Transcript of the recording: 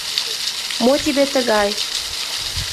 Мо тиде тыгай?!